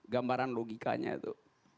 gambaran logikanya itu